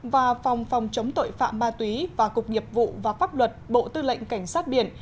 và phòng phòng chống tội phạm ma túy và cục nhiệp vụ và pháp luật bộ tư lệnh cảnh sát biển